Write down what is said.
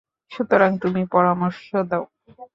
সুতরাং তুমি পরামর্শ দাও।